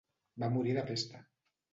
Va morir de pesta.